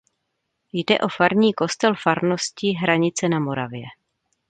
Jde o farní kostel farnosti Hranice na Moravě.